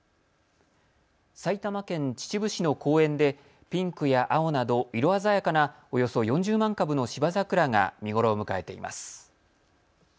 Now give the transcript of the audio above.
埼玉県秩父市の公園でピンクや青など色鮮やかなおよそ４０万株のシバザクラが見頃を迎えています。